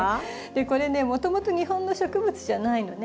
これねもともと日本の植物じゃないのね。